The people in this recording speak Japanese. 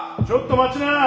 ちょっと待ちな！